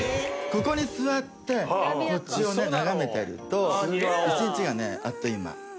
ここに座ってこっちを眺めてると一日があっという間。